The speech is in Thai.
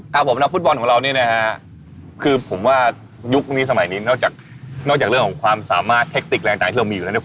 กับนักวอร์เลอร์บอลไทย